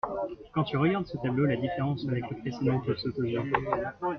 Quand tu regardes ce tableau, la différence avec le précédent te saute aux yeux.